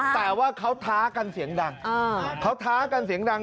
แต่ว่าเขาท้ากันเสียงดังเขาท้ากันเสียงดัง